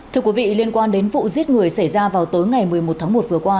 thưa quý vị liên quan đến vụ giết người xảy ra vào tối ngày một mươi một tháng một vừa qua